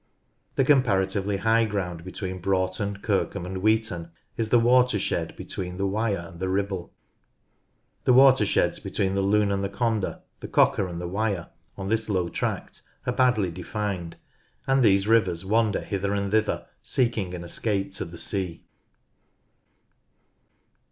The comparatively high ground between Broughton, Kirkham, and Weeton is the water shed between the Wyre and the Ribble. The watersheds between the Lune, the Conder, the Cocker, and the Wyre on this low tract are badly defined, and these rivers wander hither and thither seeking an escape to the sea.